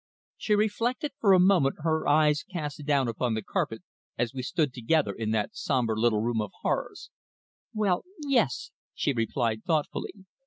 She reflected for a moment, her eyes cast down upon the carpet, as we stood together in that sombre little room of horrors. "Well, yes," she replied thoughtfully.